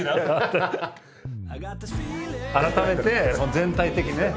改めて全体的ね